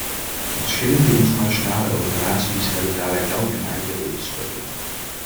De verschillende internationale operaties hebben daarbij elk een eigen rol te spelen.